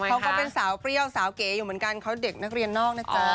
เขาก็เป็นสาวเปรี้ยวสาวเก๋อยู่เหมือนกันเขาเด็กนักเรียนนอกนะจ๊ะ